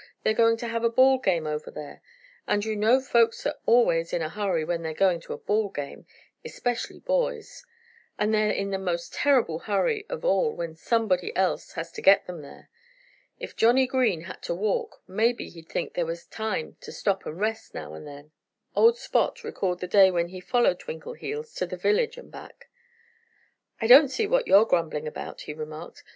They're going to have a ball game over there. And you know folks are always in a hurry when they're going to a ball game especially boys. And they're in the most terrible hurry of all when somebody else has to get them there. If Johnny Green had to walk, maybe he'd think there was time to stop and rest now and then." Old Spot recalled the day when he followed Twinkleheels to the village and back. "I don't see what you're grumbling about," he remarked.